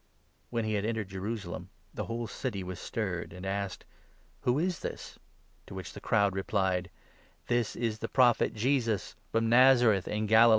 When he had entered Jerusalem, the whole city was stirred, 10 and asked — "Who is this?", to which the crowd replied — n "This is the Prophet Jesus from Nazareth in Galilee."